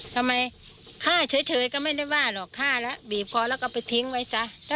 ทำไมฆ่าเฉยก็ไม่ได้ว่าหรอก